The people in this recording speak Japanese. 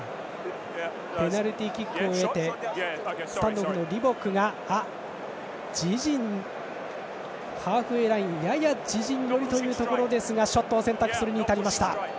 ペナルティーキックを得てスタンドオフのリボックがハーフウェーラインやや自陣寄りのところですがショットを選択するに至りました。